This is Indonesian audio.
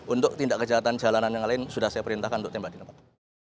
untuk tindak kejahatan jalanan yang lain sudah saya perintahkan untuk tembak di tempat